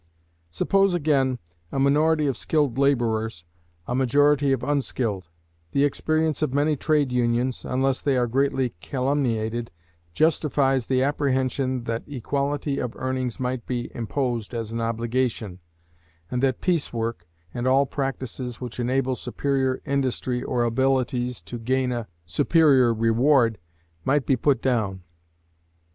Suppose, again, a minority of skilled laborers, a majority of unskilled: the experience of many Trade Unions, unless they are greatly calumniated, justifies the apprehension that equality of earnings might be imposed as an obligation, and that piecework, and all practices which enable superior industry or abilities to gain a superior reward, might be put down.